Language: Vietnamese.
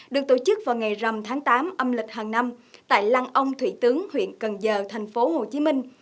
được tổ chức vào ngày rằm tháng tám âm lịch hàng năm tại lăng ông thủy tướng huyện cần giờ thành phố hồ chí minh